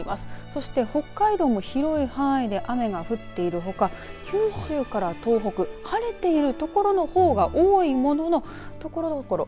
そして北海道も広い範囲で雨が降っているほか、九州から東北、晴れている所のほうが多いもののところどころ